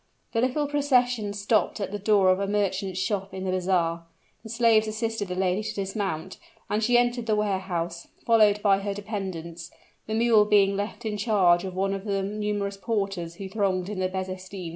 The little procession stopped at the door of a merchant's shop in the bazaar; the slaves assisted the lady to dismount, and she entered the warehouse, followed by her dependents, the mule being left in charge of one of the numerous porters who thronged in the bezestein.